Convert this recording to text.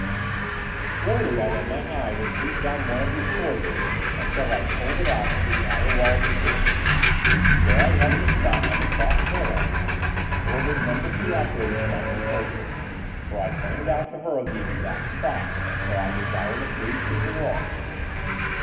Slowly I let my "eye" retreat down one of these corridors until I "pulled it out" through the outer wall of the city. There I held the spot on the crossed hairlines and ordered Number Two Operator to my control board, where I pointed out to her the exact spot where I desired a breach in the wall.